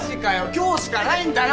今日しかないんだよ。